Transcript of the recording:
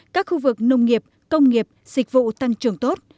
các khu vực nông nghiệp công nghiệp dịch vụ tăng trưởng tốt